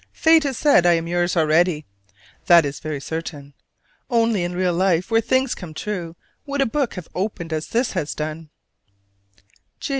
Fate has said I am yours already. That is very certain. Only in real life where things come true would a book have opened as this has done.